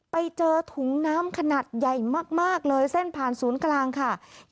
ไปเจอถุงน้ำขนาดใหญ่มากเลยเส้นผ่านศูนย์กลางค่ะ